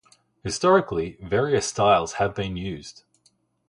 Historically, various styles have been used.